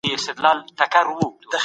په کور کښي مینه ده.